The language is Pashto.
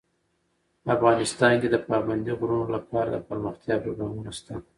افغانستان کې د پابندي غرونو لپاره دپرمختیا پروګرامونه شته.